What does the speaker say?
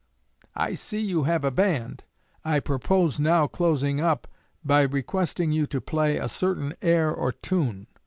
I see you have a band. I propose now closing up by requesting you to play a certain air or tune.